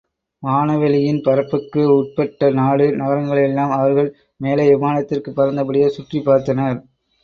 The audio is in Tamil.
வானவெளியின் பரப்புக்கு உட்பட்ட நாடு நகரங்களையெல்லாம் அவர்கள் மேலே விமானத்திற் பறந்த படியே சுற்றிப் பார்த்தனர்.